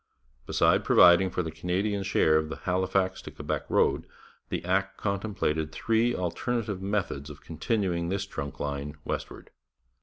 Besides providing for the Canadian share of the Halifax to Quebec road, the Act contemplated three alternative methods of continuing this Trunk line westward.